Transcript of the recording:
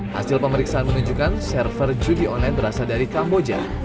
hasil pemeriksaan menunjukkan server judi online berasal dari kamboja